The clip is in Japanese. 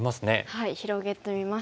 はい広げてみます。